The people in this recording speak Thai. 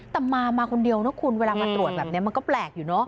แต่มามาคนเดียวนะคุณเวลามาตรวจแบบนี้มันก็แปลกอยู่เนอะ